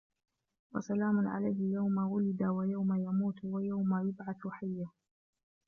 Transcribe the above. وَسَلَامٌ عَلَيْهِ يَوْمَ وُلِدَ وَيَوْمَ يَمُوتُ وَيَوْمَ يُبْعَثُ حَيًّا